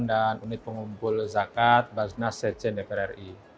dan unit pengumpul zakat bajnas sejen dpr ri